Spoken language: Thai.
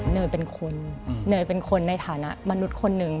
เนยเป็นคนเนยเป็นคนในฐานะมนุษย์คนหนึ่ง